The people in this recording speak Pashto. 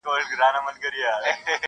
په عزت به یادېدی په قبیله کي!!